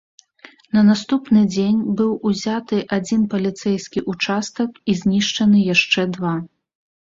На наступны дзень быў узяты адзін паліцэйскі ўчастак і знішчаны яшчэ два.